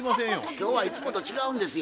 今日はいつもと違うんですよ。